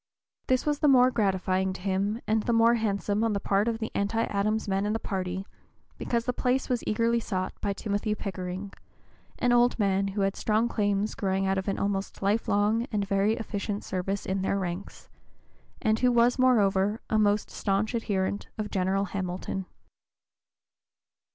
This was the more gratifying to him and the more handsome on the part of the anti Adams men in the party, because the place was eagerly sought by Timothy Pickering, an old man who had strong claims growing out of an almost life long and very efficient service in their ranks, and who was moreover a most stanch adherent of General Hamilton.